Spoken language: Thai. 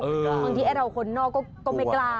บางทีเราคนนอกก็ไม่กล้า